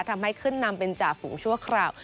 ทำให้ขึ้นนำเป็นจ่าฝูงชั่วคราว